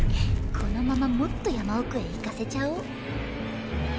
このままもっと山おくへ行かせちゃお。